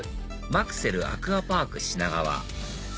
マクセルアクアパーク品川